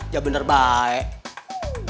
ya benar baik